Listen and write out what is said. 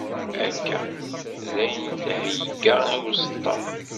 Akka, dayen theyya i uẓeṭṭa.